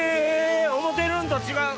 思うてるんと違う。